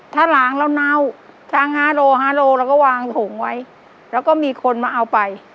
ถ้าหลางแล้วเน่าทางฮาโลฮาโลแล้วก็วางถุงไว้แล้วก็มีคนมาเอาไป